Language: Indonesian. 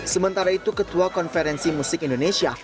sementara itu ketua konferensi musik indonesia